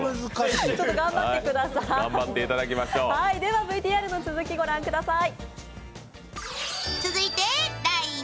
頑張ってくださいではＶＴＲの続き、ご覧ください。